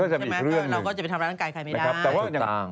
ก็จะเป็นอีกเรื่องหนึ่งเราก็จะไปทำร้ายร่างกายใครไม่ได้